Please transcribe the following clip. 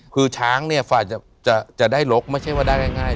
คือช้างเนี่ยฝ่ายจะได้ลกไม่ใช่ว่าได้ง่าย